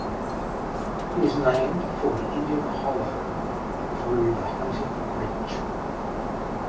It is named for the Indian Hollow through Hunting Ridge.